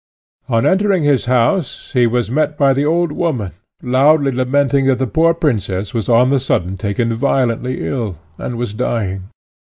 On entering his house, he was met by the old woman, loudly lamenting that the poor princess was on the sudden taken violently ill, and was dying.